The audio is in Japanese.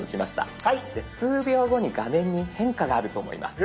数秒後に画面に変化があると思います。